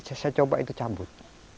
saya coba itu cabut